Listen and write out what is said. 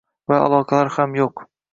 Va aloqalar ham yo'q